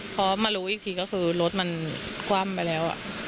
เพราะมารู้อีกทีก็คือรถมันกว้ามไปแล้วอะ